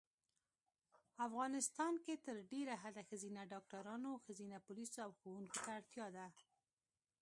افغانیستان کې تر ډېره حده ښځېنه ډاکټرانو ښځېنه پولیسو او ښوونکو ته اړتیا ده